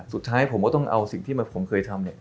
สุดท้ายผมก็ต้องเอาสิ่งที่ผมเคยทำ